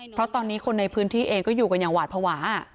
เพราะตอนนี้คนในพื้นที่เองก็อยู่กันอย่างหวาดภาวะ